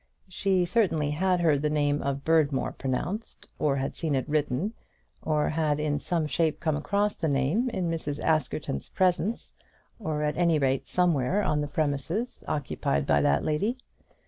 She certainly had heard the name of Berdmore pronounced, or had seen it written, or had in some shape come across the name in Mrs. Askerton's presence; or at any rate somewhere on the premises occupied by that lady.